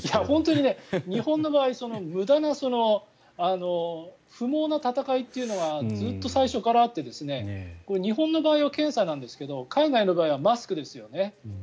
本当に日本の場合無駄な、不毛な闘いというのがずっと最初からあって日本の場合は検査なんですけど海外の場合はマスクですよね。